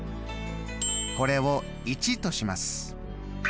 これを①とします。